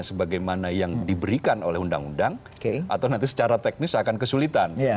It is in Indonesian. sebagaimana yang diberikan oleh undang undang atau nanti secara teknis akan kesulitan